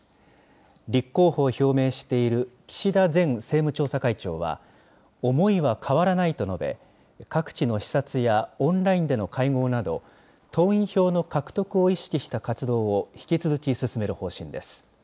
立候補を表明している岸田前政務調査会長は、思いは変わらないと述べ、各地の視察やオンラインでの会合など、党員票の獲得を意識した活動を引き続き進める方針です。